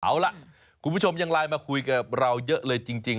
เอาล่ะคุณผู้ชมยังไลน์มาคุยกับเราเยอะเลยจริง